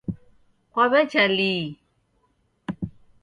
Kwaw'echa lii?